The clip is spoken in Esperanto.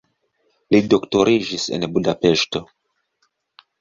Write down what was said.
Li doktoriĝis en Budapeŝto.